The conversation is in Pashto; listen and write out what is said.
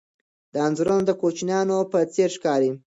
دا انځورونه د کوچنیانو په څېر ښکاري.